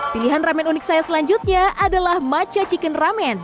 pilihan ramen unik saya selanjutnya adalah maca chicken ramen